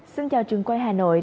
xin chào trường quay hà nội